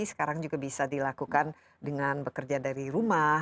sekarang juga bisa dilakukan dengan bekerja dari rumah